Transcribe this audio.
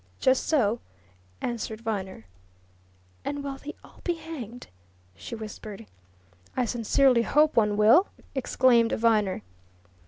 "Just so," answered Viner. "And will they all be hanged?" she whispered. "I sincerely hope one will!" exclaimed Viner.